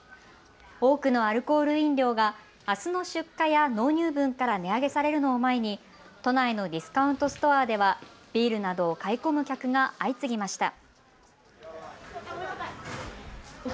多くのアルコール飲料があすの出荷や納入分から値上げされるのを前に都内のディスカウントストアではビールなどを買い込む客が相次ぎました。